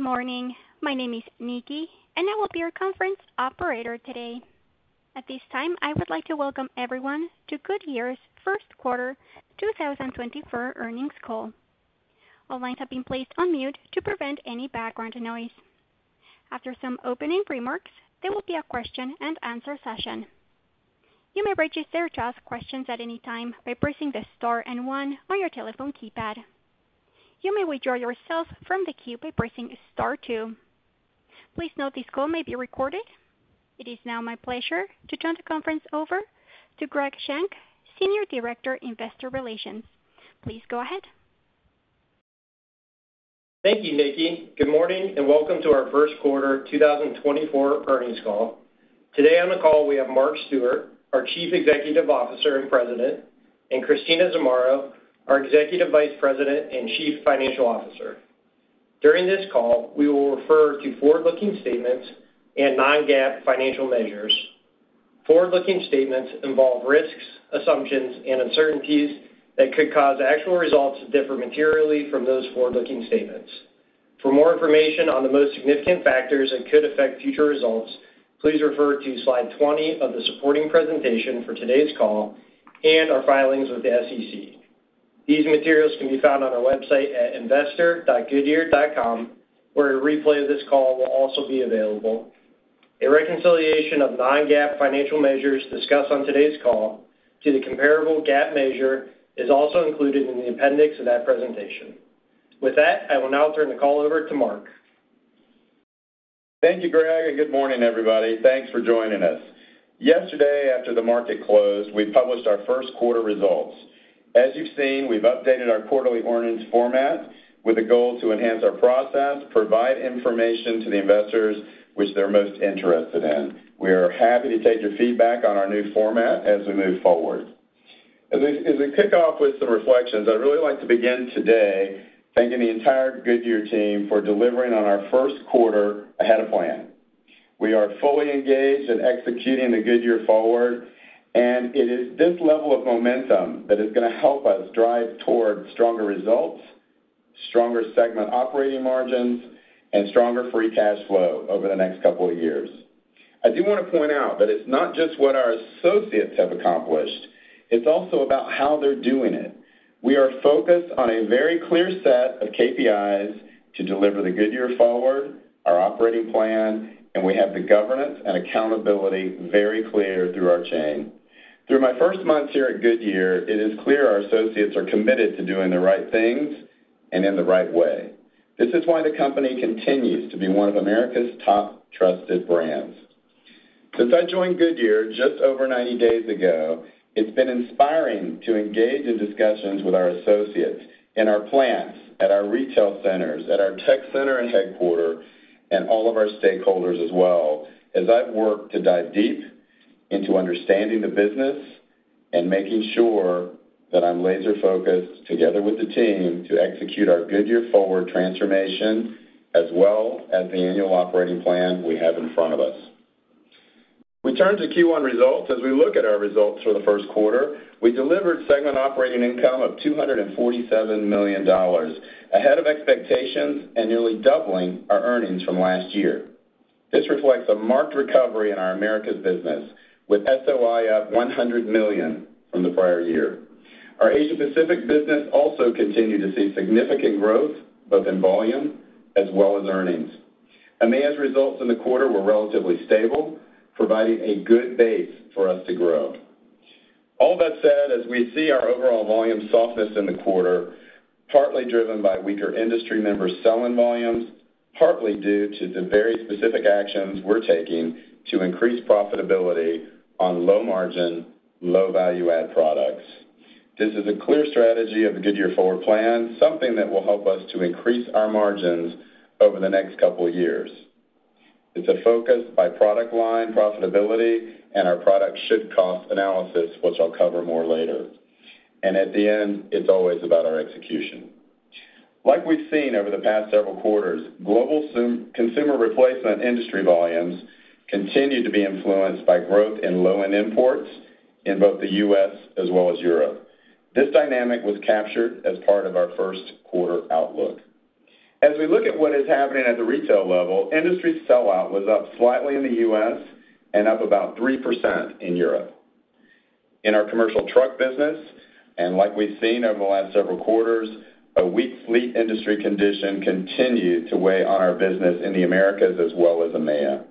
Good morning, my name is Nikki, and I will be your conference operator today. At this time, I would like to welcome everyone to Goodyear's First Quarter 2024 Earnings Call. All lines have been placed on mute to prevent any background noise. After some opening remarks, there will be a question-and-answer session. You may register to ask questions at any time by pressing the star and one on your telephone keypad. You may withdraw yourself from the queue by pressing star two. Please note this call may be recorded. It is now my pleasure to turn the conference over to Greg Shank, Senior Director, Investor Relations. Please go ahead. Thank you, Nikki. Good morning and welcome to our first quarter 2024 earnings call. Today on the call we have Mark Stewart, our Chief Executive Officer and President, and Christina Zamarro, our Executive Vice President and Chief Financial Officer. During this call, we will refer to forward-looking statements and non-GAAP financial measures. Forward-looking statements involve risks, assumptions, and uncertainties that could cause actual results to differ materially from those forward-looking statements. For more information on the most significant factors that could affect future results, please refer to slide 20 of the supporting presentation for today's call and our filings with the SEC. These materials can be found on our website at investor.goodyear.com, where a replay of this call will also be available. A reconciliation of non-GAAP financial measures discussed on today's call to the comparable GAAP measure is also included in the appendix of that presentation. With that, I will now turn the call over to Mark. Thank you, Greg, and good morning, everybody. Thanks for joining us. Yesterday, after the market closed, we published our first quarter results. As you've seen, we've updated our quarterly earnings format with a goal to enhance our process, provide information to the investors which they're most interested in. We are happy to take your feedback on our new format as we move forward. As we kick off with some reflections, I'd really like to begin today thanking the entire Goodyear team for delivering on our first quarter ahead of plan. We are fully engaged in executing the Goodyear Forward, and it is this level of momentum that is going to help us drive toward stronger results, stronger segment operating margins, and stronger free cash flow over the next couple of years. I do want to point out that it's not just what our associates have accomplished. It's also about how they're doing it. We are focused on a very clear set of KPIs to deliver the Goodyear Forward, our operating plan, and we have the governance and accountability very clear through our chain. Through my first months here at Goodyear, it is clear our associates are committed to doing the right things and in the right way. This is why the company continues to be one of America's top trusted brands. Since I joined Goodyear just over 90 days ago, it's been inspiring to engage in discussions with our associates in our plants, at our retail centers, at our tech center and headquarters, and all of our stakeholders as well as I've worked to dive deep into understanding the business and making sure that I'm laser-focused together with the team to execute our Goodyear Forward transformation as well as the annual operating plan we have in front of us. We turn to Q1 results. As we look at our results for the first quarter, we delivered segment operating income of $247 million ahead of expectations and nearly doubling our earnings from last year. This reflects a marked recovery in our Americas business with SOI up $100 million from the prior year. Our Asia-Pacific business also continued to see significant growth both in volume as well as earnings. EMEA's results in the quarter were relatively stable, providing a good base for us to grow. All that said, as we see our overall volume softness in the quarter, partly driven by weaker industry replacement volumes, partly due to the very specific actions we're taking to increase profitability on low-margin, low-value-add products. This is a clear strategy of the Goodyear Forward plan, something that will help us to increase our margins over the next couple of years. It's a focus by product line, profitability, and our product should-cost analysis, which I'll cover more later. At the end, it's always about our execution. Like we've seen over the past several quarters, global consumer replacement industry volumes continue to be influenced by growth in low-end imports in both the U.S. as well as Europe. This dynamic was captured as part of our first quarter outlook. As we look at what is happening at the retail level, industry sell-out was up slightly in the U.S. and up about 3% in Europe. In our commercial truck business, and like we've seen over the last several quarters, a weak fleet industry condition continued to weigh on our business in the Americas as well as EMEA.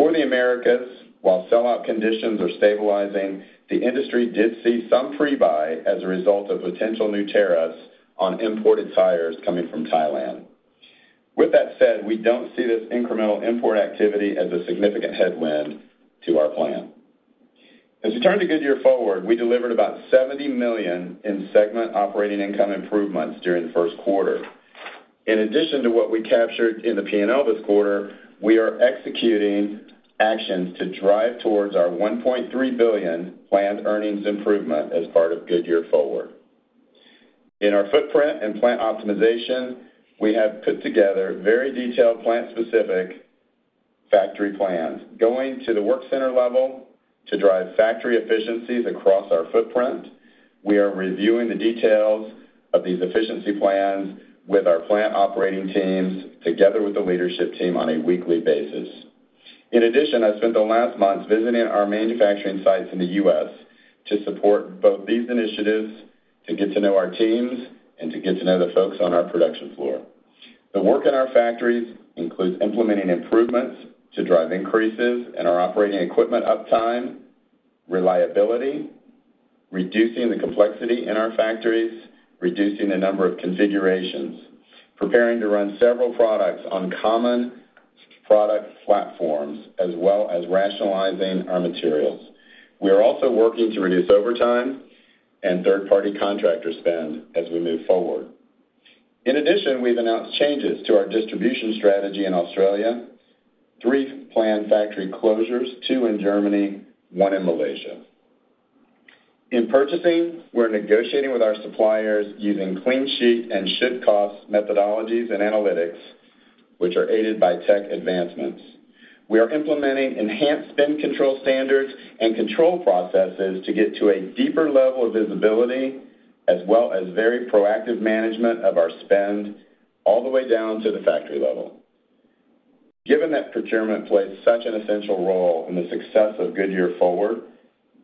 For the Americas, while sell-out conditions are stabilizing, the industry did see some pre-buy as a result of potential new tariffs on imported tires coming from Thailand. With that said, we don't see this incremental import activity as a significant headwind to our plan. As we turn to Goodyear Forward, we delivered about $70 million in segment operating income improvements during the first quarter. In addition to what we captured in the P&L this quarter, we are executing actions to drive towards our $1.3 billion planned earnings improvement as part of Goodyear Forward. In our footprint and plant optimization, we have put together very detailed plant-specific factory plans. Going to the work center level to drive factory efficiencies across our footprint, we are reviewing the details of these efficiency plans with our plant operating teams together with the leadership team on a weekly basis. In addition, I spent the last months visiting our manufacturing sites in the U.S. to support both these initiatives, to get to know our teams, and to get to know the folks on our production floor. The work in our factories includes implementing improvements to drive increases in our operating equipment uptime, reliability, reducing the complexity in our factories, reducing the number of configurations, preparing to run several products on common product platforms, as well as rationalizing our materials. We are also working to reduce overtime and third-party contractor spend as we move forward. In addition, we've announced changes to our distribution strategy in Australia: three planned factory closures, two in Germany, one in Malaysia. In purchasing, we're negotiating with our suppliers using clean sheet and should-cost methodologies and analytics, which are aided by tech advancements. We are implementing enhanced spend control standards and control processes to get to a deeper level of visibility as well as very proactive management of our spend all the way down to the factory level. Given that procurement plays such an essential role in the success of Goodyear Forward,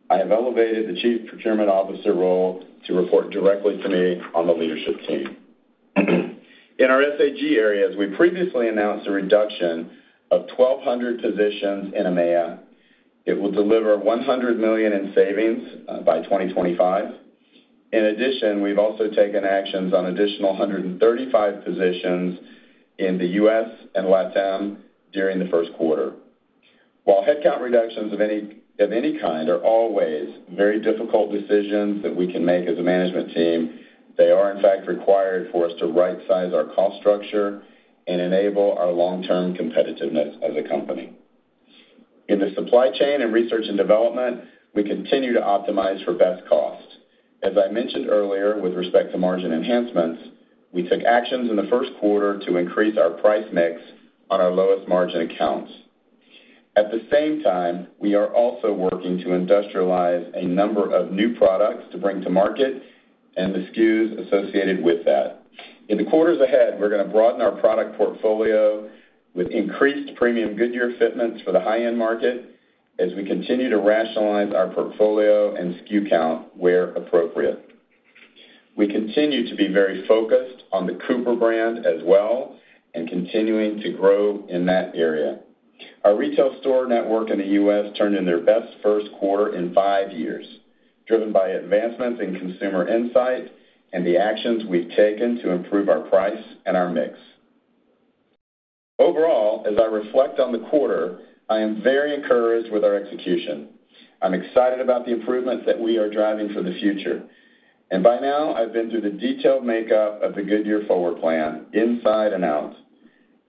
I have elevated the Chief Procurement Officer role to report directly to me on the leadership team. In our SAG areas, we previously announced a reduction of 1,200 positions in EMEA. It will deliver $100 million in savings by 2025. In addition, we've also taken actions on additional 135 positions in the U.S. and Latin during the first quarter. While headcount reductions of any kind are always very difficult decisions that we can make as a management team, they are, in fact, required for us to right-size our cost structure and enable our long-term competitiveness as a company. In the supply chain and research and development, we continue to optimize for best cost. As I mentioned earlier with respect to margin enhancements, we took actions in the first quarter to increase our price mix on our lowest margin accounts. At the same time, we are also working to industrialize a number of new products to bring to market and the SKUs associated with that. In the quarters ahead, we're going to broaden our product portfolio with increased premium Goodyear fitments for the high-end market as we continue to rationalize our portfolio and SKU count where appropriate. We continue to be very focused on the Cooper brand as well and continuing to grow in that area. Our retail store network in the U.S. turned in their best first quarter in five years, driven by advancements in consumer insight and the actions we've taken to improve our price and our mix. Overall, as I reflect on the quarter, I am very encouraged with our execution. I'm excited about the improvements that we are driving for the future. By now, I've been through the detailed makeup of the Goodyear Forward plan inside and out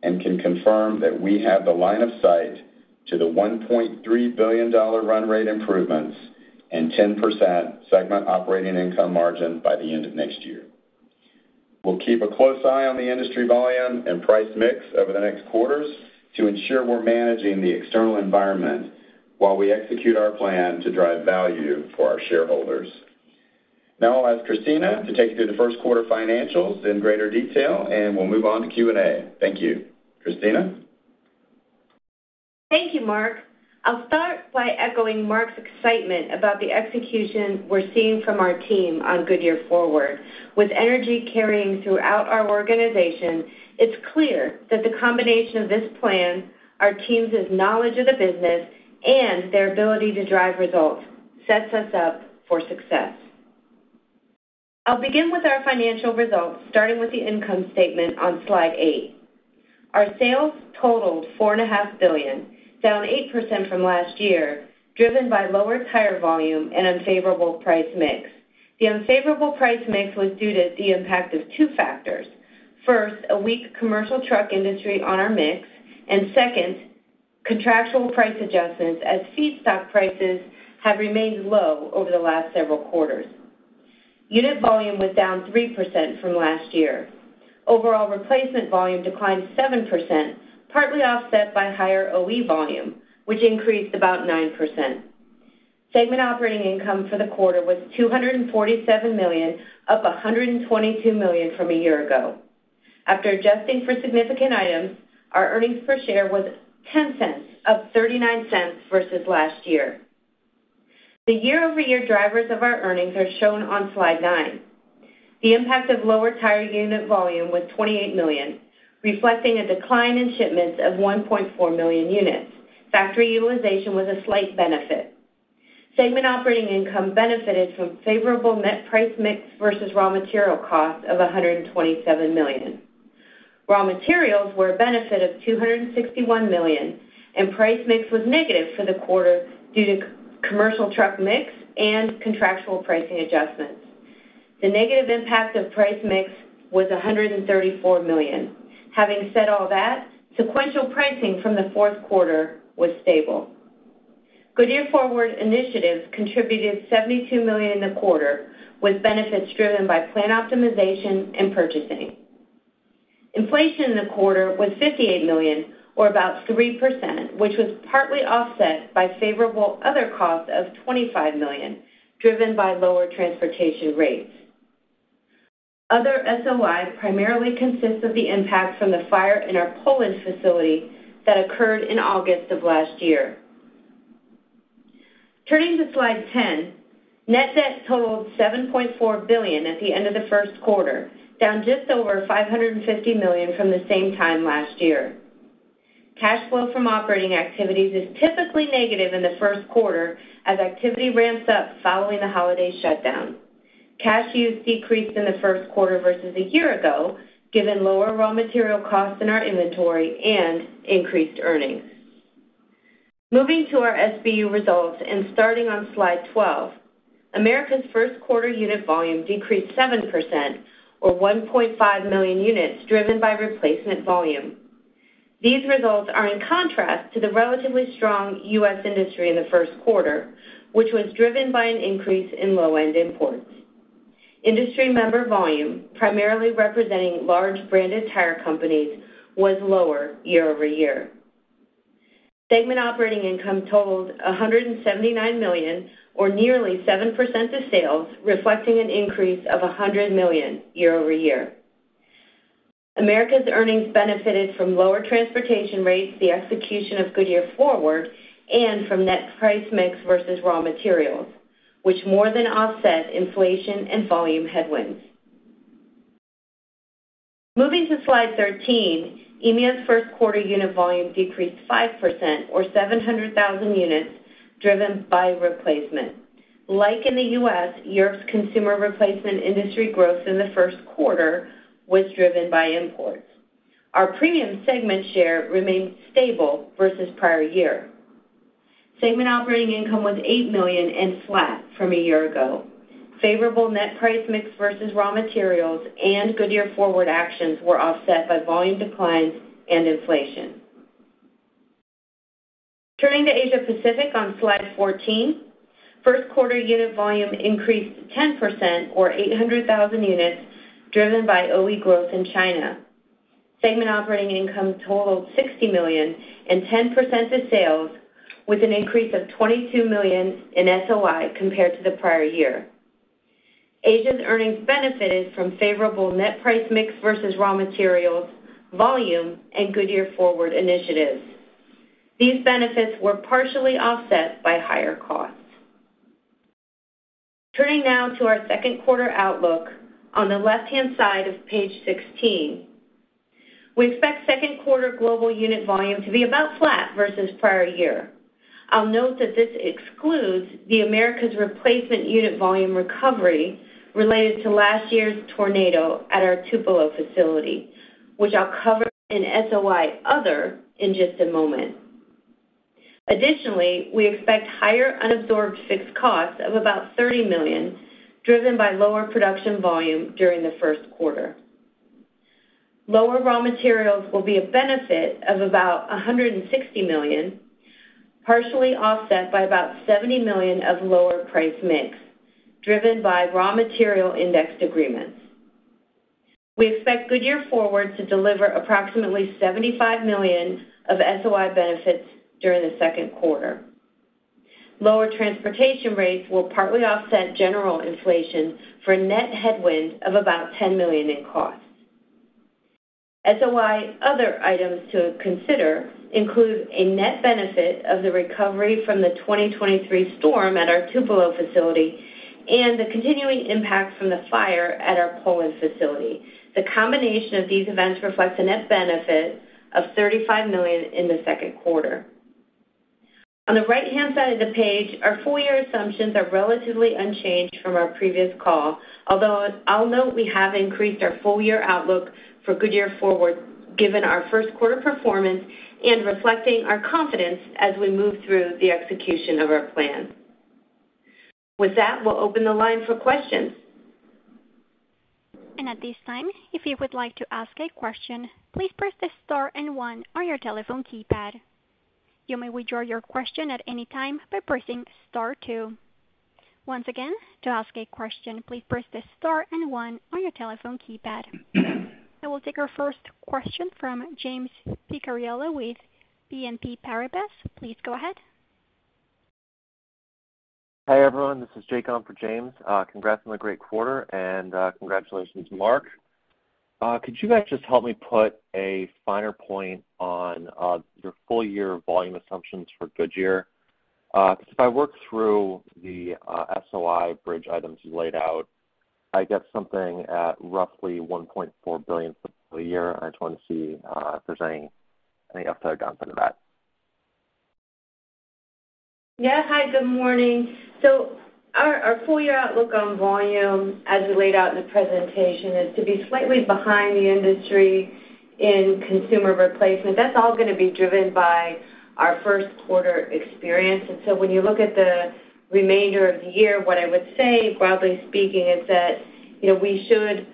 and can confirm that we have the line of sight to the $1.3 billion run rate improvements and 10% segment operating income margin by the end of next year. We'll keep a close eye on the industry volume and price mix over the next quarters to ensure we're managing the external environment while we execute our plan to drive value for our shareholders. Now I'll ask Christina to take you through the first quarter financials in greater detail, and we'll move on to Q&A. Thank you. Christina? Thank you, Mark. I'll start by echoing Mark's excitement about the execution we're seeing from our team on Goodyear Forward. With energy carrying throughout our organization, it's clear that the combination of this plan, our teams' knowledge of the business, and their ability to drive results sets us up for success. I'll begin with our financial results, starting with the income statement on slide 8. Our sales totaled $4.5 billion, down 8% from last year, driven by lower tire volume and unfavorable price mix. The unfavorable price mix was due to the impact of two factors. First, a weak commercial truck industry on our mix, and second, contractual price adjustments as feedstock prices have remained low over the last several quarters. Unit volume was down 3% from last year. Overall replacement volume declined 7%, partly offset by higher OE volume, which increased about 9%. Segment operating income for the quarter was $247 million, up $122 million from a year ago. After adjusting for significant items, our earnings per share was $0.10, up $0.39 versus last year. The YoY drivers of our earnings are shown on slide 9. The impact of lower tire unit volume was $28 million, reflecting a decline in shipments of 1.4 million units. Factory utilization was a slight benefit. Segment operating income benefited from favorable net price mix versus raw material costs of $127 million. Raw materials were a benefit of $261 million, and price mix was negative for the quarter due to commercial truck mix and contractual pricing adjustments. The negative impact of price mix was $134 million. Having said all that, sequential pricing from the fourth quarter was stable. Goodyear Forward initiatives contributed $72 million in the quarter with benefits driven by plan optimization and purchasing. Inflation in the quarter was $58 million, or about 3%, which was partly offset by favorable other costs of $25 million driven by lower transportation rates. Other SOI primarily consists of the impact from the fire in our Poland facility that occurred in August of last year. Turning to slide 10, net debt totaled $7.4 billion at the end of the first quarter, down just over $550 million from the same time last year. Cash flow from operating activities is typically negative in the first quarter as activity ramps up following the holiday shutdown. Cash use decreased in the first quarter versus a year ago given lower raw material costs in our inventory and increased earnings. Moving to our SBU results and starting on slide 12, Americas first quarter unit volume decreased 7%, or 1.5 million units driven by replacement volume. These results are in contrast to the relatively strong U.S. industry in the first quarter, which was driven by an increase in low-end imports. Industry member volume, primarily representing large branded tire companies, was lower YoY. Segment operating income totaled $179 million, or nearly 7% of sales, reflecting an increase of $100 million YoY. Americas' earnings benefited from lower transportation rates, the execution of Goodyear Forward, and from net price mix versus raw materials, which more than offset inflation and volume headwinds. Moving to slide 13, EMEA's first quarter unit volume decreased 5%, or 700,000 units driven by replacement. Like in the U.S., Europe's consumer replacement industry growth in the first quarter was driven by imports. Our premium segment share remained stable versus prior year. Segment operating income was $8 million and flat from a year ago. Favorable net price mix versus raw materials and Goodyear Forward actions were offset by volume declines and inflation. Turning to Asia-Pacific on slide 14, first quarter unit volume increased 10%, or 800,000 units driven by OE growth in China. Segment operating income totaled $60 million and 10% of sales, with an increase of $22 million in SOI compared to the prior year. Asia's earnings benefited from favorable net price mix versus raw materials, volume, and Goodyear Forward initiatives. These benefits were partially offset by higher costs. Turning now to our second quarter outlook on the left-hand side of page 16, we expect second quarter global unit volume to be about flat versus prior year. I'll note that this excludes the Americas' replacement unit volume recovery related to last year's tornado at our Tupelo facility, which I'll cover in SOI other in just a moment. Additionally, we expect higher unabsorbed fixed costs of about $30 million driven by lower production volume during the first quarter. Lower raw materials will be a benefit of about $160 million, partially offset by about $70 million of lower price mix driven by raw material indexed agreements. We expect Goodyear Forward to deliver approximately $75 million of SOI benefits during the second quarter. Lower transportation rates will partly offset general inflation for a net headwind of about $10 million in costs. SOI other items to consider include a net benefit of the recovery from the 2023 storm at our Tupelo facility and the continuing impact from the fire at our Poland facility. The combination of these events reflects a net benefit of $35 million in the second quarter. On the right-hand side of the page, our full-year assumptions are relatively unchanged from our previous call, although I'll note we have increased our full-year outlook for Goodyear Forward given our first quarter performance and reflecting our confidence as we move through the execution of our plan. With that, we'll open the line for questions. And at this time, if you would like to ask a question, please press the star and one on your telephone keypad. You may withdraw your question at any time by pressing star two. Once again, to ask a question, please press the star and one on your telephone keypad. I will take our first question from James Picariello with BNP Paribas. Please go ahead. Hi everyone. This is Jacob for James. Congrats on a great quarter, and congratulations, Mark. Could you guys just help me put a finer point on your full-year volume assumptions for Goodyear? Because if I work through the SOI bridge items you laid out, I get something at roughly 1.4 billion for the year. I just want to see if there's any upside or downside to that. Yeah. Hi. Good morning. So our full-year outlook on volume, as we laid out in the presentation, is to be slightly behind the industry in consumer replacement. That's all going to be driven by our first quarter experience. And so when you look at the remainder of the year, what I would say, broadly speaking, is that we should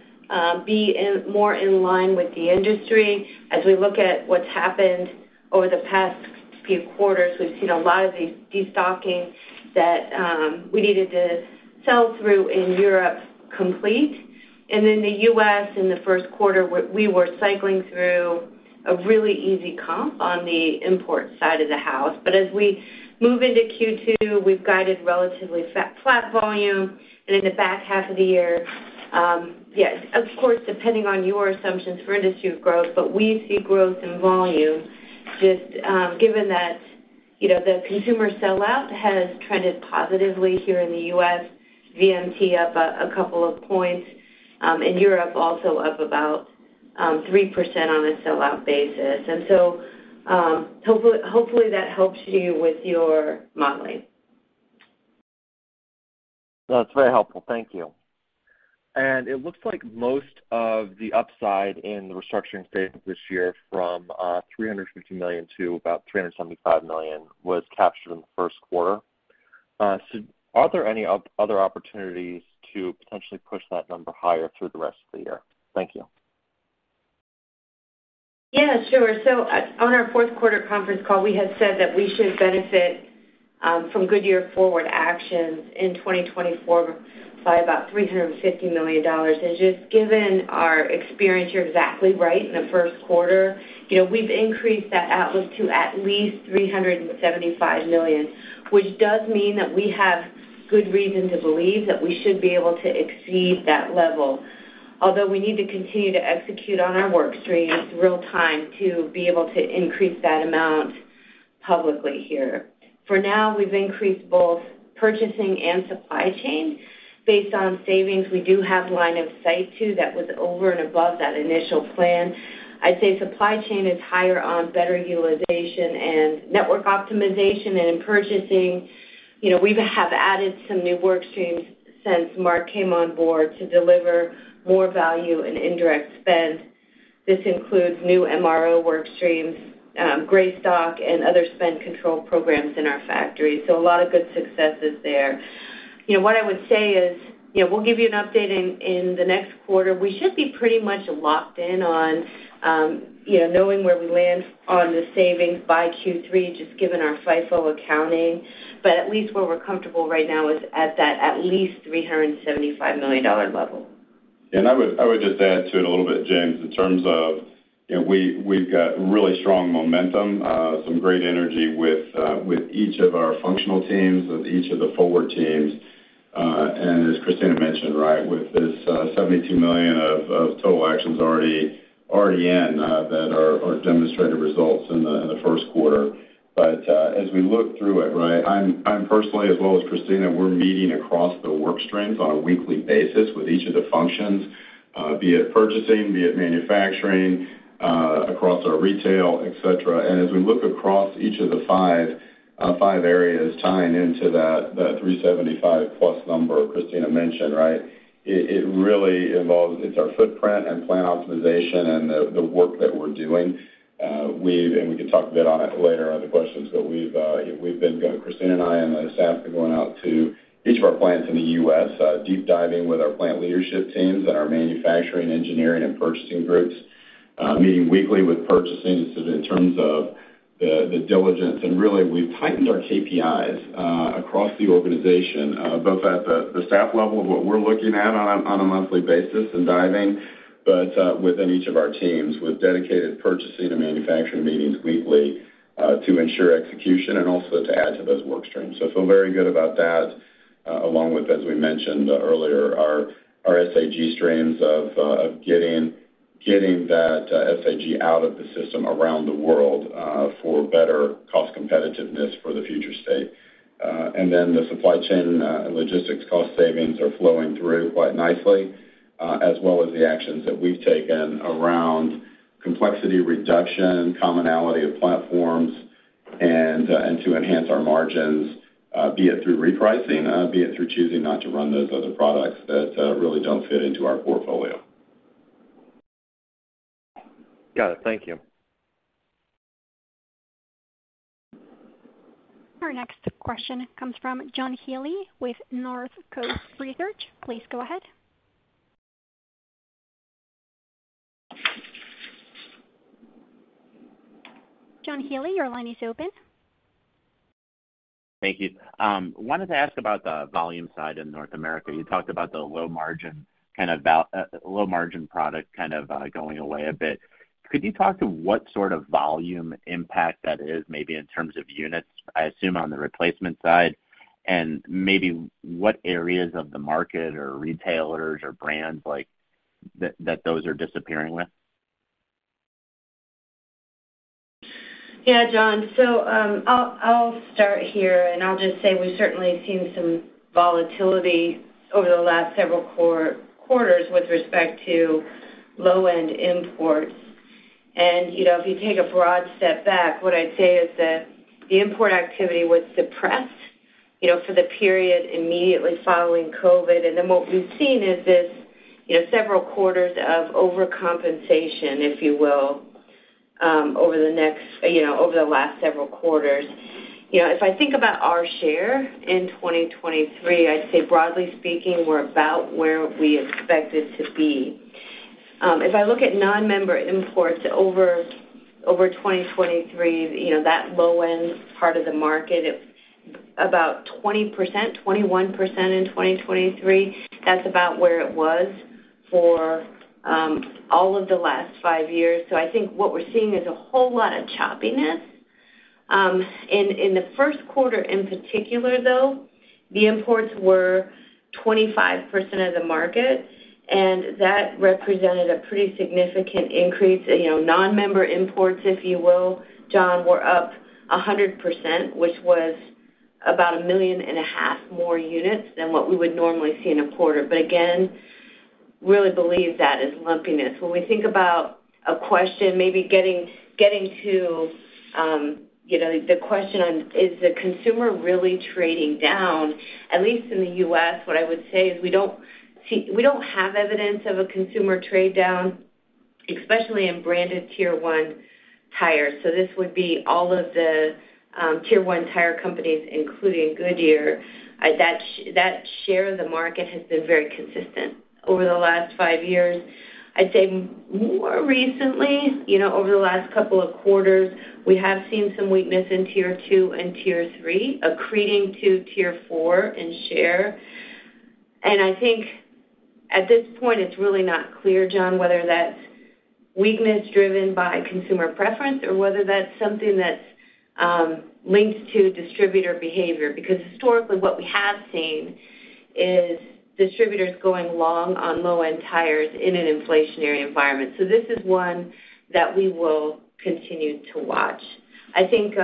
be more in line with the industry. As we look at what's happened over the past few quarters, we've seen a lot of the destocking that we needed to sell through in Europe complete. And then the U.S., in the first quarter, we were cycling through a really easy comp on the import side of the house. But as we move into Q2, we've guided relatively flat volume. In the back half of the year, yeah, of course, depending on your assumptions for industry growth, but we see growth in volume just given that the consumer sell-out has trended positively here in the U.S., VMT up a couple of points, and Europe also up about 3% on a sell-out basis. And so hopefully, that helps you with your modeling. That's very helpful. Thank you. And it looks like most of the upside in the restructuring stage this year from $350 million to about $375 million was captured in the first quarter. So are there any other opportunities to potentially push that number higher through the rest of the year? Thank you. Yeah. Sure. So on our fourth quarter conference call, we had said that we should benefit from Goodyear Forward actions in 2024 by about $350 million. And just given our experience, you're exactly right. In the first quarter, we've increased that outlook to at least $375 million, which does mean that we have good reason to believe that we should be able to exceed that level. Although we need to continue to execute on our workstreams real-time to be able to increase that amount publicly here. For now, we've increased both purchasing and supply chain based on savings. We do have line of sight too that was over and above that initial plan. I'd say supply chain is higher on better utilization and network optimization and in purchasing. We have added some new workstreams since Mark came on board to deliver more value and indirect spend. This includes new MRO workstreams, greige stock, and other spend control programs in our factory. So a lot of good successes there. What I would say is we'll give you an update in the next quarter. We should be pretty much locked in on knowing where we land on the savings by Q3 just given our FIFO accounting. But at least where we're comfortable right now is at that at least $375 million level. Yeah. And I would just add to it a little bit, James, in terms of we've got really strong momentum, some great energy with each of our functional teams, with each of the forward teams. And as Christina mentioned, right, with this $72 million of total actions already in that are demonstrated results in the first quarter. But as we look through it, right, I'm personally, as well as Christina, we're meeting across the workstreams on a weekly basis with each of the functions, be it purchasing, be it manufacturing, across our retail, etc. And as we look across each of the five areas tying into that 375+ number Christina mentioned, right, it really involves it's our footprint and plan optimization and the work that we're doing. And we can talk a bit on it later on the questions. But we've been going Christina and I and the staff have been going out to each of our plants in the U.S., deep diving with our plant leadership teams and our manufacturing, engineering, and purchasing groups, meeting weekly with purchasing in terms of the diligence. And really, we've tightened our KPIs across the organization, both at the staff level of what we're looking at on a monthly basis and diving, but within each of our teams with dedicated purchasing and manufacturing meetings weekly to ensure execution and also to add to those workstreams. So I feel very good about that. Along with, as we mentioned earlier, our SAG streams of getting that SAG out of the system around the world for better cost competitiveness for the future state. And then the supply chain and logistics cost savings are flowing through quite nicely, as well as the actions that we've taken around complexity reduction, commonality of platforms, and to enhance our margins, be it through repricing, be it through choosing not to run those other products that really don't fit into our portfolio. Got it. Thank you. Our next question comes from John Healy with Northcoast Research. Please go ahead. John Healy, your line is open. Thank you. Wanted to ask about the volume side in North America. You talked about the low-margin kind of low-margin product kind of going away a bit. Could you talk to what sort of volume impact that is, maybe in terms of units, I assume, on the replacement side, and maybe what areas of the market or retailers or brands that those are disappearing with? Yeah, John. So I'll start here, and I'll just say we've certainly seen some volatility over the last several quarters with respect to low-end imports. And if you take a broad step back, what I'd say is that the import activity was suppressed for the period immediately following COVID. And then what we've seen is several quarters of overcompensation, if you will, over the last several quarters. If I think about our share in 2023, I'd say, broadly speaking, we're about where we expected to be. If I look at non-member imports over 2023, that low-end part of the market, about 20%, 21% in 2023, that's about where it was for all of the last five years. So I think what we're seeing is a whole lot of choppiness. In the first quarter in particular, though, the imports were 25% of the market, and that represented a pretty significant increase. Non-member imports, if you will, John, were up 100%, which was about 1.5 million more units than what we would normally see in a quarter. But again, really believe that is lumpiness. When we think about a question, maybe getting to the question on, is the consumer really trading down? At least in the U.S., what I would say is we don't have evidence of a consumer trade down, especially in branded Tier 1 tires. So this would be all of the Tier 1 tire companies, including Goodyear. That share of the market has been very consistent over the last 5 years. I'd say more recently, over the last couple of quarters, we have seen some weakness in Tier 2 and Tier 3, accreting to Tier 4 in share. And I think at this point, it's really not clear, John, whether that's weakness driven by consumer preference or whether that's something that's linked to distributor behavior. Because historically, what we have seen is distributors going long on low-end tires in an inflationary environment. So this is one that we will continue to watch. I think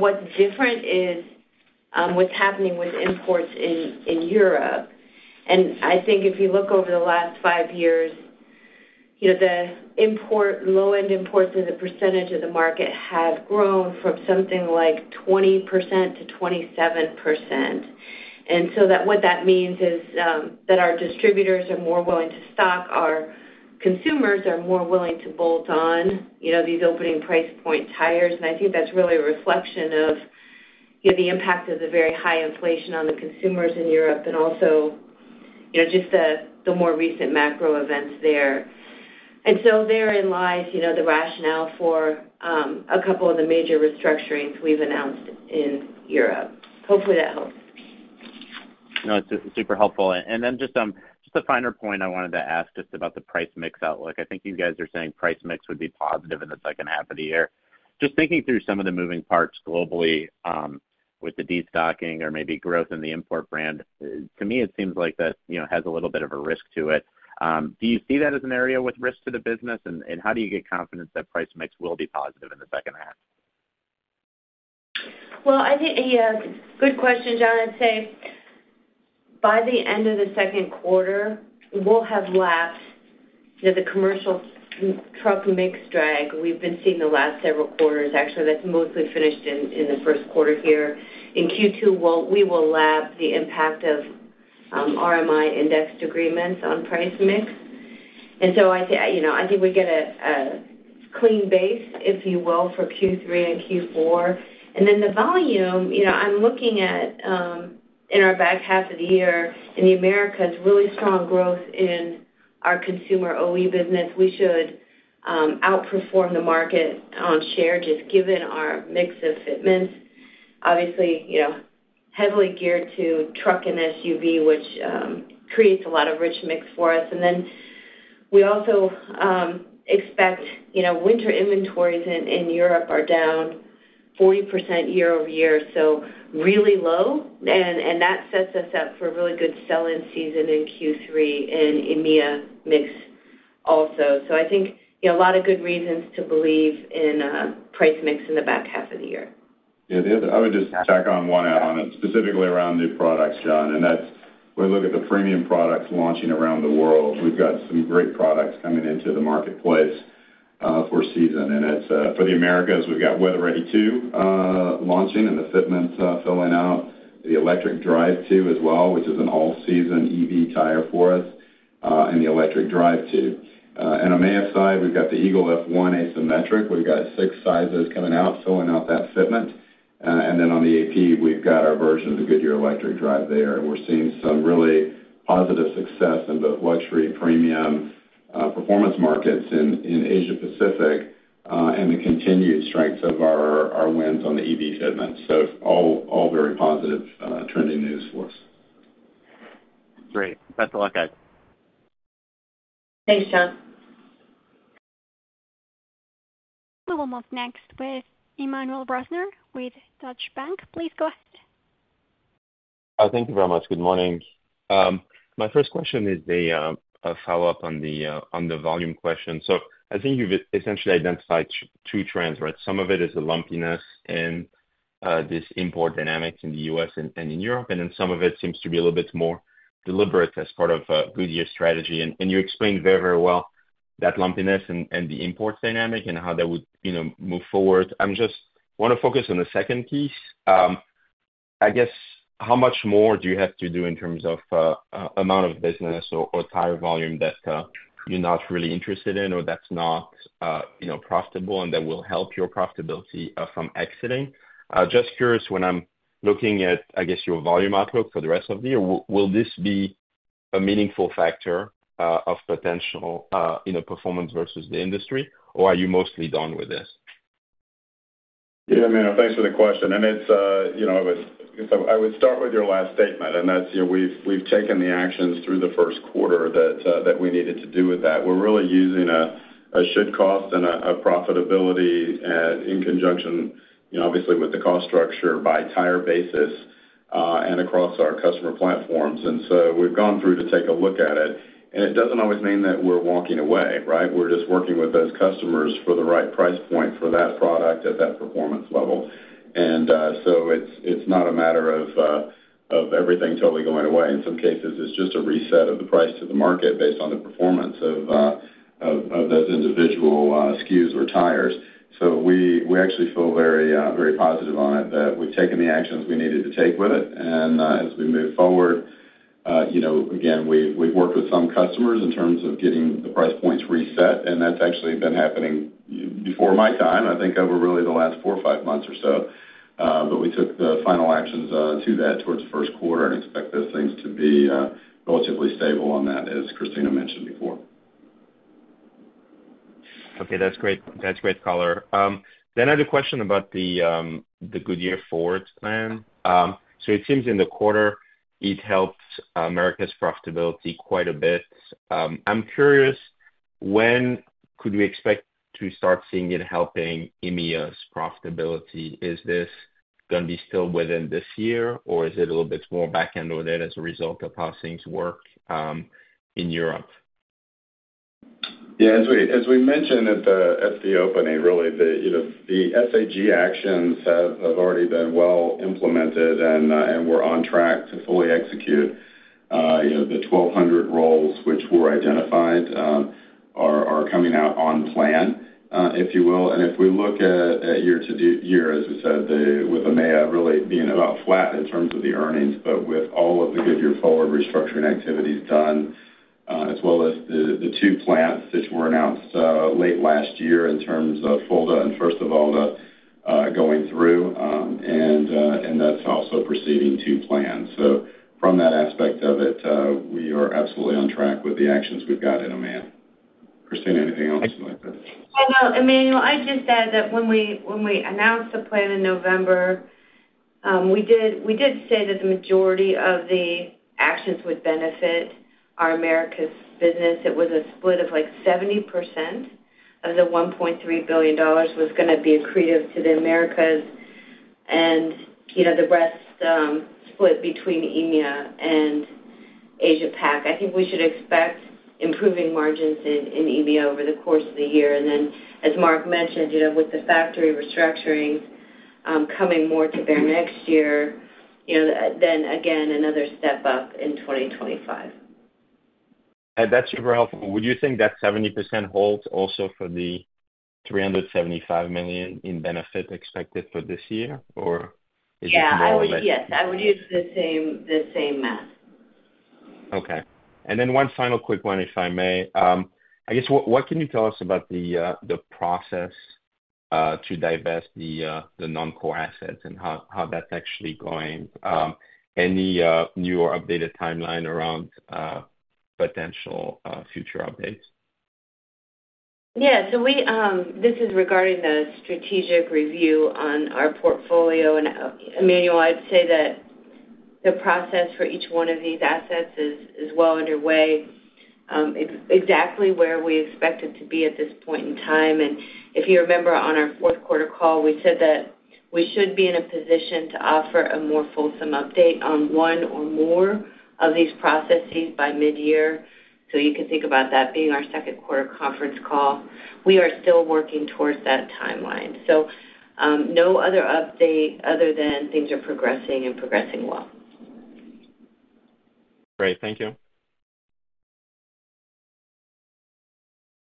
what's different is what's happening with imports in Europe. And I think if you look over the last five years, the low-end imports as a percentage of the market have grown from something like 20%-27%. And so what that means is that our distributors are more willing to stock. Our consumers are more willing to bolt on these opening price point tires. I think that's really a reflection of the impact of the very high inflation on the consumers in Europe and also just the more recent macro events there. So therein lies the rationale for a couple of the major restructurings we've announced in Europe. Hopefully, that helps. No, it's super helpful. And then just a finer point I wanted to ask just about the price mix outlook. I think you guys are saying price mix would be positive in the second half of the year. Just thinking through some of the moving parts globally with the destocking or maybe growth in the import brand, to me, it seems like that has a little bit of a risk to it. Do you see that as an area with risk to the business? And how do you get confidence that price mix will be positive in the second half? Well, I think a good question, John. I'd say by the end of the second quarter, we'll have lapped the commercial truck mix drag we've been seeing the last several quarters. Actually, that's mostly finished in the first quarter here. In Q2, we will lap the impact of RMI indexed agreements on price mix. And so I think we get a clean base, if you will, for Q3 and Q4. And then the volume, I'm looking at in our back half of the year, in the Americas, really strong growth in our consumer OE business. We should outperform the market on share just given our mix of fitments, obviously, heavily geared to truck and SUV, which creates a lot of rich mix for us. And then we also expect winter inventories in Europe are down 40% YoY, so really low. That sets us up for a really good sell-in season in Q3 and EMEA mix also. I think a lot of good reasons to believe in price mix in the back half of the year. Yeah. I would just tack on one add-on specifically around new products, John. And that's when we look at the premium products launching around the world. We've got some great products coming into the marketplace for season. And for the Americas, we've got WeatherReady 2 launching and the fitment filling out, the ElectricDrive 2 as well, which is an all-season EV tire for us, and the ElectricDrive 2. And on the EMEA side, we've got the Eagle F1 Asymmetric. We've got six sizes coming out, filling out that fitment. And then on the AP, we've got our version of the Goodyear ElectricDrive there. And we're seeing some really positive success in both luxury premium performance markets in Asia-Pacific and the continued strength of our wins on the EV fitment. So all very positive trending news for us. Great. Best of luck, guys. Thanks, John. We will move next with Emmanuel Rosner with Deutsche Bank. Please go ahead. Thank you very much. Good morning. My first question is a follow-up on the volume question. I think you've essentially identified two trends, right? Some of it is the lumpiness in this import dynamics in the U.S. and in Europe, and then some of it seems to be a little bit more deliberate as part of Goodyear's strategy. You explained very, very well that lumpiness and the imports dynamic and how that would move forward. I just want to focus on the second piece. I guess, how much more do you have to do in terms of amount of business or tire volume that you're not really interested in or that's not profitable and that will help your profitability from exiting? Just curious, when I'm looking at, I guess, your volume outlook for the rest of the year, will this be a meaningful factor of potential performance versus the industry, or are you mostly done with this? Yeah, Emmanuel, thanks for the question. And I would start with your last statement, and that's we've taken the actions through the first quarter that we needed to do with that. We're really using a should-cost and a profitability in conjunction, obviously, with the cost structure by tire basis and across our customer platforms. And so we've gone through to take a look at it. And it doesn't always mean that we're walking away, right? We're just working with those customers for the right price point for that product at that performance level. And so it's not a matter of everything totally going away. In some cases, it's just a reset of the price to the market based on the performance of those individual SKUs or tires. So we actually feel very positive on it that we've taken the actions we needed to take with it. And as we move forward, again, we've worked with some customers in terms of getting the price points reset. And that's actually been happening before my time, I think, over really the last 4 or 5 months or so. But we took the final actions to that towards the first quarter and expect those things to be relatively stable on that, as Christina mentioned before. Okay. That's great. That's great, color. Then I had a question about the Goodyear Forward plan. So it seems in the quarter, it helped Americas' profitability quite a bit. I'm curious, when could we expect to start seeing it helping EMEA's profitability? Is this going to be still within this year, or is it a little bit more back-end on it as a result of how things work in Europe? Yeah. As we mentioned at the opening, really, the SAG actions have already been well implemented, and we're on track to fully execute. The 1,200 roles, which were identified, are coming out on plan, if you will. And if we look at year-to-year, as we said, with EMEA really being about flat in terms of the earnings, but with all of the Goodyear Forward restructuring activities done, as well as the two plants which were announced late last year in terms of Fulda and Fürstenwalde going through, and that's also proceeding to plan. So from that aspect of it, we are absolutely on track with the actions we've got in EMEA. Christina, anything else you'd like to add? I know. Emmanuel, I just add that when we announced the plan in November, we did say that the majority of the actions would benefit our Americas business. It was a split of like 70% of the $1.3 billion was going to be accretive to the Americas and the rest split between EMEA and Asia-Pac. I think we should expect improving margins in EMEA over the course of the year. And then, as Mark mentioned, with the factory restructuring coming more to bear next year, then, again, another step up in 2025. That's super helpful. Would you think that 70% holds also for the $375 million in benefit expected for this year, or is it more like that? Yeah. I would use the same math. Okay. And then one final quick one, if I may. I guess, what can you tell us about the process to divest the non-core assets and how that's actually going? Any new or updated timeline around potential future updates? Yeah. So this is regarding the strategic review on our portfolio. Emmanuel, I'd say that the process for each one of these assets is well underway, exactly where we expect it to be at this point in time. If you remember, on our fourth-quarter call, we said that we should be in a position to offer a more fulsome update on one or more of these processes by mid-year. You can think about that being our second-quarter conference call. We are still working towards that timeline. No other update other than things are progressing and progressing well. Great. Thank you.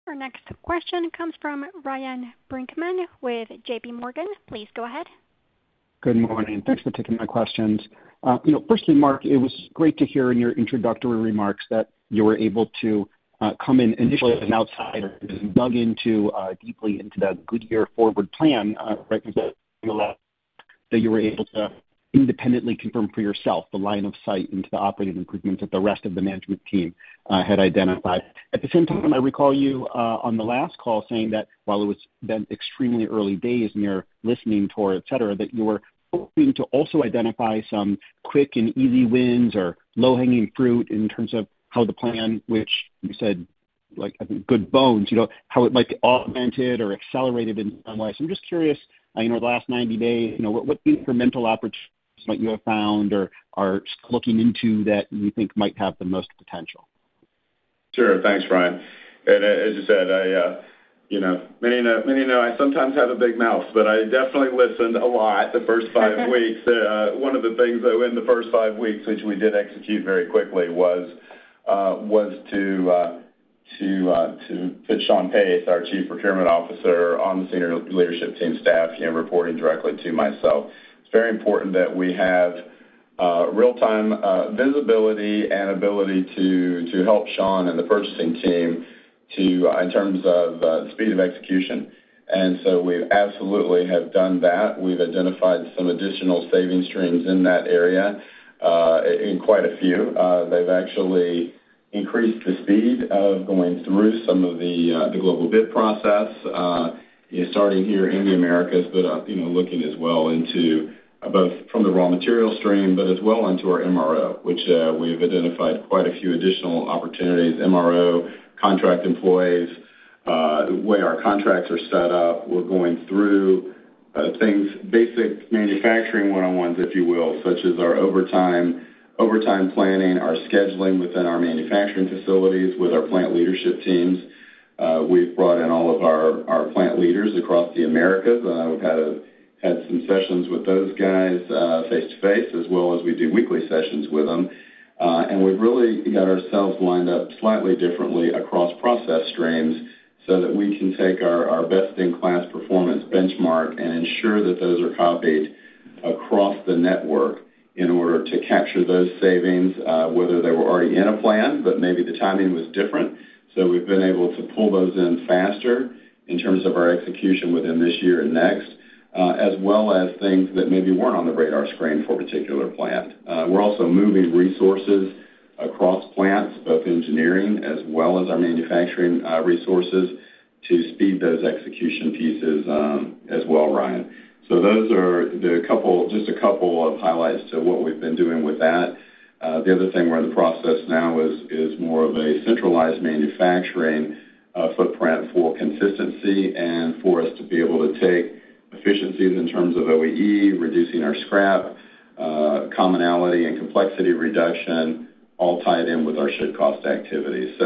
Our next question comes from Ryan Brinkman with J.P. Morgan. Please go ahead. Good morning. Thanks for taking my questions. Firstly, Mark, it was great to hear in your introductory remarks that you were able to come in initially as an outsider and dug deeply into that Goodyear Forward plan right from the start of the last. That you were able to independently confirm for yourself the line of sight into the operating improvements that the rest of the management team had identified. At the same time, I recall you on the last call saying that while it was then extremely early days and you're listening toward, etc., that you were hoping to also identify some quick and easy wins or low-hanging fruit in terms of how the plan, which you said, I think, good bones, how it might be augmented or accelerated in some ways. I'm just curious, in the last 90 days, what incremental opportunities might you have found or are looking into that you think might have the most potential? Sure. Thanks, Ryan. And as you said, many know I sometimes have a big mouth, but I definitely listened a lot the first five weeks. One of the things in the first five weeks, which we did execute very quickly, was to put Shawn Pace, our Chief Procurement Officer on the senior leadership team staff, reporting directly to myself. It's very important that we have real-time visibility and ability to help Shawn and the purchasing team in terms of speed of execution. And so we absolutely have done that. We've identified some additional savings streams in that area in quite a few. They've actually increased the speed of going through some of the global bid process, starting here in the Americas, but looking as well from the raw material stream, but as well onto our MRO, which we've identified quite a few additional opportunities, MRO, contract employees, the way our contracts are set up. We're going through basic manufacturing one-on-ones, if you will, such as our overtime planning, our scheduling within our manufacturing facilities with our plant leadership teams. We've brought in all of our plant leaders across the Americas. I've had some sessions with those guys face-to-face, as well as we do weekly sessions with them. And we've really got ourselves lined up slightly differently across process streams so that we can take our best-in-class performance benchmark and ensure that those are copied across the network in order to capture those savings, whether they were already in a plan, but maybe the timing was different. So we've been able to pull those in faster in terms of our execution within this year and next, as well as things that maybe weren't on the radar screen for a particular plant. We're also moving resources across plants, both engineering as well as our manufacturing resources, to speed those execution pieces as well, Ryan. So those are just a couple of highlights to what we've been doing with that. The other thing we're in the process now is more of a centralized manufacturing footprint for consistency and for us to be able to take efficiencies in terms of OEE, reducing our scrap, commonality, and complexity reduction, all tied in with our should cost activities.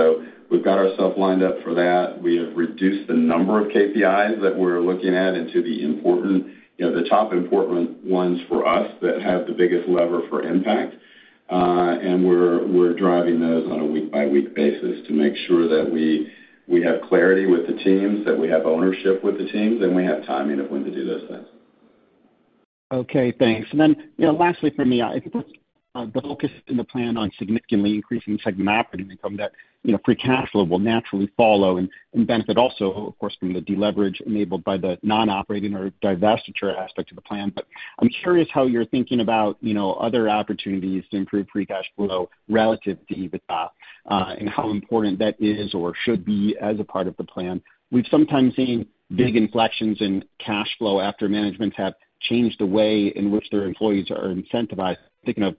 We've got ourselves lined up for that. We have reduced the number of KPIs that we're looking at into the top important ones for us that have the biggest lever for impact. We're driving those on a week-by-week basis to make sure that we have clarity with the teams, that we have ownership with the teams, and we have timing of when to do those things. Okay. Thanks. And then lastly from me, I think the focus in the plan on significantly increasing the segment operating income, that free cash flow will naturally follow and benefit also, of course, from the deleverage enabled by the non-operating or divestiture aspect of the plan. But I'm curious how you're thinking about other opportunities to improve free cash flow relative to EBITDA and how important that is or should be as a part of the plan. We've sometimes seen big inflections in cash flow after management have changed the way in which their employees are incentivized. I'm thinking of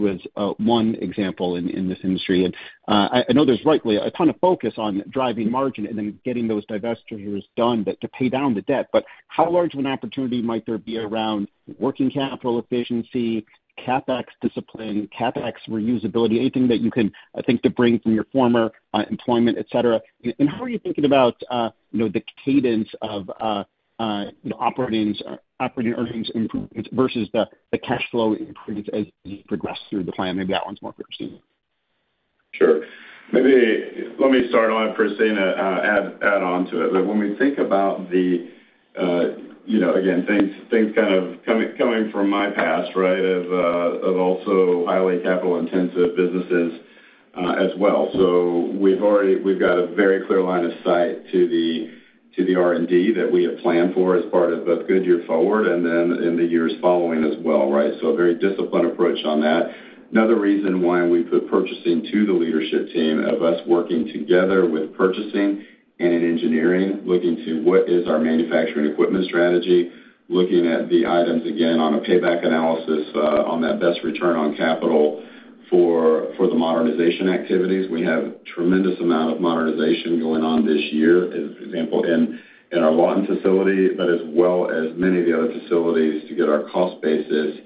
LKQ as one example in this industry. And I know there's rightly a ton of focus on driving margin and then getting those divestitures done to pay down the debt. But how large of an opportunity might there be around working capital efficiency, CapEx discipline, CapEx reusability, anything that you can think to bring from your former employment, etc.? And how are you thinking about the cadence of operating earnings improvements versus the cash flow improvements as you progress through the plan? Maybe that one's more for Christina. Sure. Maybe let me start off, Christina, add on to it. But when we think about the again, things kind of coming from my past, right, of also highly capital-intensive businesses as well. So we've got a very clear line of sight to the R&D that we have planned for as part of both Goodyear Forward and then in the years following as well, right? So a very disciplined approach on that. Another reason why we put purchasing to the leadership team of us working together with purchasing and in engineering, looking to what is our manufacturing equipment strategy, looking at the items, again, on a payback analysis on that best return on capital for the modernization activities. We have a tremendous amount of modernization going on this year, for example, in our Lawton facility, but as well as many of the other facilities to get our cost basis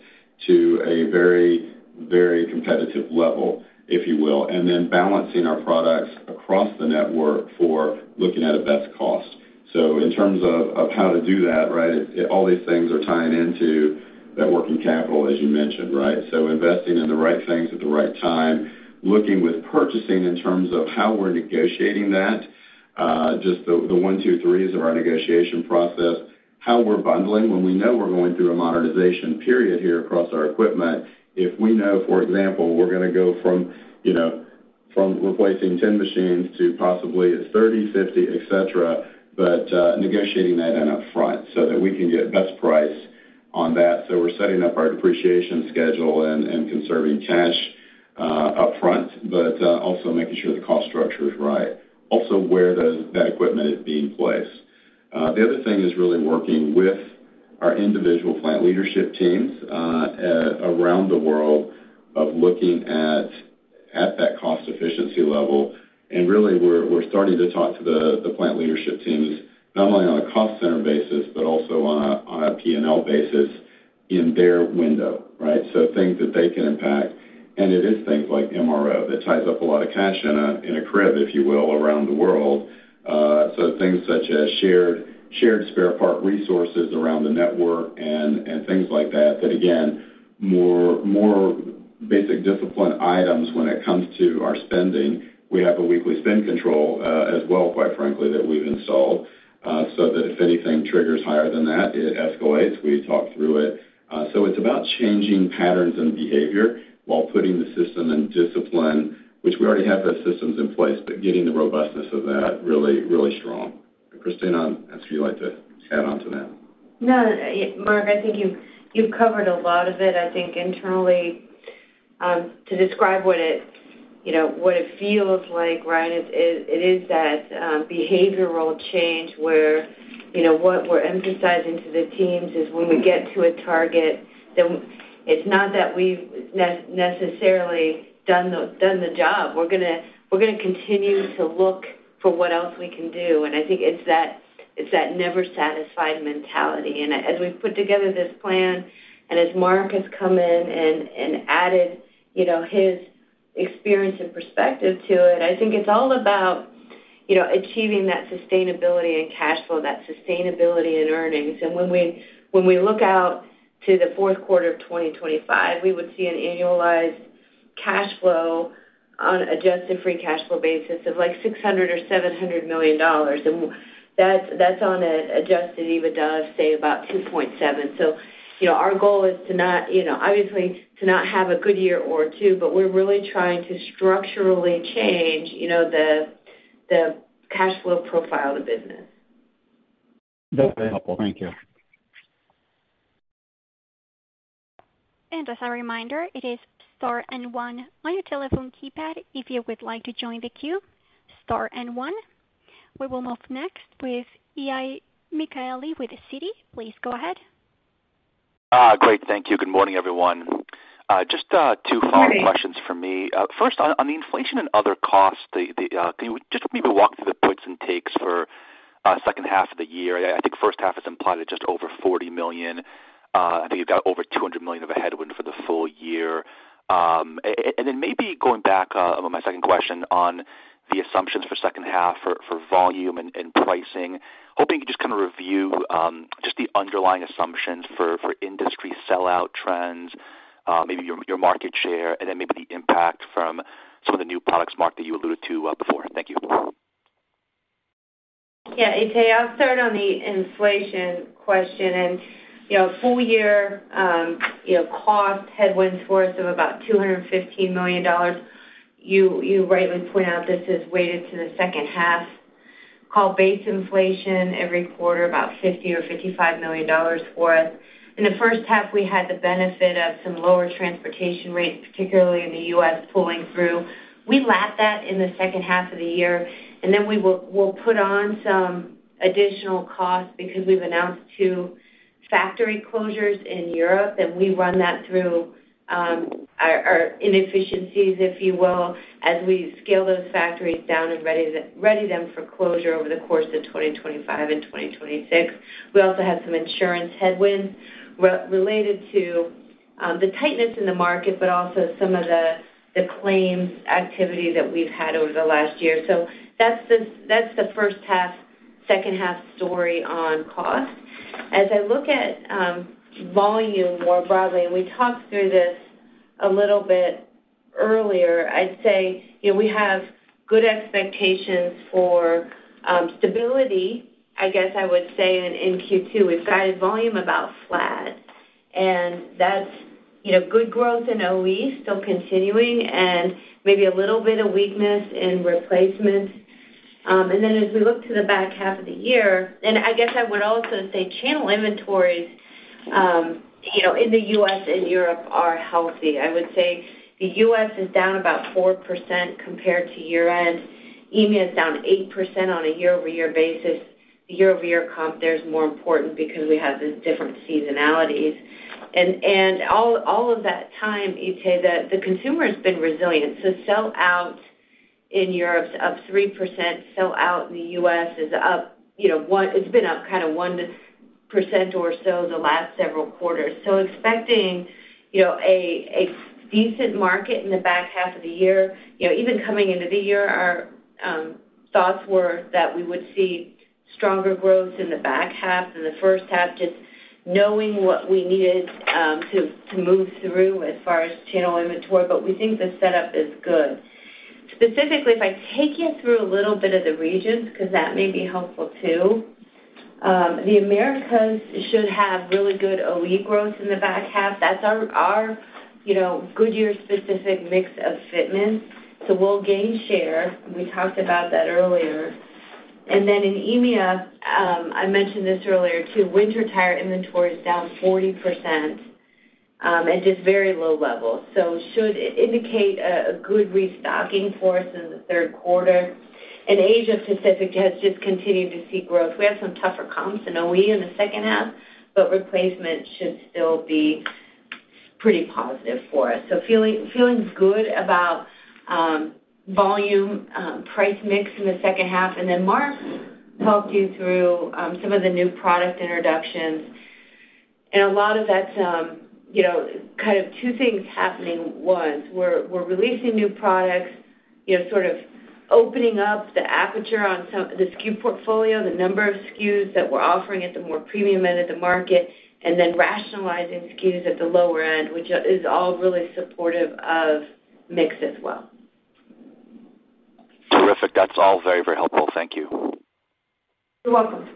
to a very, very competitive level, if you will, and then balancing our products across the network for looking at a best cost. So in terms of how to do that, right, all these things are tying into that working capital, as you mentioned, right? So investing in the right things at the right time, looking with purchasing in terms of how we're negotiating that, just the one, two, threes of our negotiation process, how we're bundling when we know we're going through a modernization period here across our equipment. If we know, for example, we're going to go from replacing 10 machines to possibly it's 30, 50, etc., but negotiating that in upfront so that we can get best price on that. So we're setting up our depreciation schedule and conserving cash upfront, but also making sure the cost structure is right, also where that equipment is being placed. The other thing is really working with our individual plant leadership teams around the world of looking at that cost efficiency level. And really, we're starting to talk to the plant leadership teams not only on a cost center basis but also on a P&L basis in their window, right, so things that they can impact. And it is things like MRO that ties up a lot of cash in a crib, if you will, around the world. So things such as shared spare part resources around the network and things like that that, again, more basic discipline items when it comes to our spending. We have a weekly spend control as well, quite frankly, that we've installed so that if anything triggers higher than that, it escalates. We talk through it. So it's about changing patterns and behavior while putting the system in discipline, which we already have those systems in place, but getting the robustness of that really, really strong. Christina, I'll ask if you'd like to add on to that. No, Mark, I think you've covered a lot of it. I think internally, to describe what it feels like, Ryan, it is that behavioral change where what we're emphasizing to the teams is when we get to a target, then it's not that we've necessarily done the job. We're going to continue to look for what else we can do. And I think it's that never-satisfied mentality. And as we've put together this plan, and as Mark has come in and added his experience and perspective to it, I think it's all about achieving that sustainability and cash flow, that sustainability and earnings. And when we look out to the fourth quarter of 2025, we would see an annualized cash flow on an adjusted free cash flow basis of like $600 or $700 million. And that's on an Adjusted EBITDA of, say, about $2.7. Our goal is to not obviously, to not have a good year or two, but we're really trying to structurally change the cash flow profile of the business. That's very helpful. Thank you. As a reminder, it is star and one on your telephone keypad if you would like to join the queue, star and one. We will move next with Itay Michaeli with Citi. Please go ahead. Great. Thank you. Good morning, everyone. Just two follow-up questions from me. First, on the inflation and other costs, can you just maybe walk through the puts and takes for second half of the year? I think first half is implied at just over $40 million. I think you've got over $200 million of a headwind for the full year. And then maybe going back on my second question on the assumptions for second half for volume and pricing, hoping you could just kind of review just the underlying assumptions for industry sell-out trends, maybe your market share, and then maybe the impact from some of the new products, Mark, that you alluded to before. Thank you. Yeah, I'll start on the inflation question. And full-year cost headwinds worth of about $215 million. You rightly point out this is weighted to the second half. Call base inflation every quarter, about $50 million or $55 million worth. In the first half, we had the benefit of some lower transportation rates, particularly in the U.S., pulling through. We lapped that in the second half of the year. And then we'll put on some additional costs because we've announced two factory closures in Europe, and we run that through our inefficiencies, if you will, as we scale those factories down and ready them for closure over the course of 2025 and 2026. We also have some insurance headwinds related to the tightness in the market, but also some of the claims activity that we've had over the last year. So that's the first half, second half story on cost. As I look at volume more broadly, and we talked through this a little bit earlier, I'd say we have good expectations for stability, I guess I would say, in Q2. We've gotten volume about flat. And that's good growth in OE, still continuing, and maybe a little bit of weakness in replacements. And then as we look to the back half of the year and I guess I would also say channel inventories in the U.S. and Europe are healthy. I would say the U.S. is down about 4% compared to year-end. EMEA is down 8% on a YoY basis. The YoY comp there's more important because we have these different seasonalities. And all of that time, I'd say that the consumer has been resilient. So sell-out in Europe is up 3%. Sell-out in the U.S. is up 1%. It's been up kind of 1% or so the last several quarters. So expecting a decent market in the back half of the year, even coming into the year, our thoughts were that we would see stronger growth in the back half than the first half, just knowing what we needed to move through as far as channel inventory. But we think the setup is good. Specifically, if I take you through a little bit of the regions because that may be helpful too, the Americas should have really good OE growth in the back half. That's our Goodyear-specific mix of fitments. So we'll gain share. We talked about that earlier. And then in EMEA, I mentioned this earlier too, winter tire inventory is down 40% at just very low levels. It should indicate a good restocking for us in the third quarter. Asia-Pacific has just continued to see growth. We have some tougher comps in OE in the second half, but replacement should still be pretty positive for us. Feeling good about volume, price mix in the second half. Mark talked you through some of the new product introductions. A lot of that's kind of two things happening at once. We're releasing new products, sort of opening up the aperture on the SKU portfolio, the number of SKUs that we're offering at the more premium end of the market, and then rationalizing SKUs at the lower end, which is all really supportive of mix as well. Terrific. That's all very, very helpful. Thank you. You're welcome.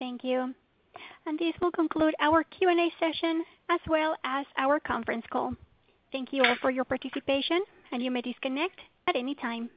Thank you. This will conclude our Q&A session as well as our conference call. Thank you all for your participation, and you may disconnect at any time.